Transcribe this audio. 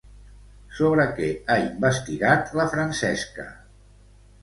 Sobre què ha investigat la Francesca?